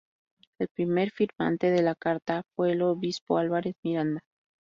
El primer firmante de la carta fue el obispo Álvarez Miranda.